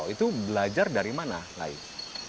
itu belajar dari mana lain